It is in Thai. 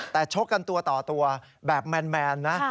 แต่ชกกันตัวต่อตัวแบบแมนนะ